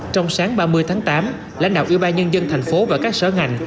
trong sáng ba mươi tháng tám lãnh đạo yên bài nhân dân thành phố và các sở ngành